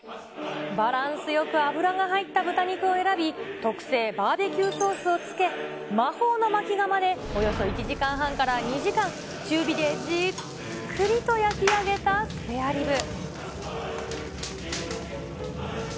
バランスよく脂が入った豚肉を選び、特製バーベキューソースをつけ、魔法のまき窯でおよそ１時間半から２時間、中火でじっくりと焼き上げたスペアリブ。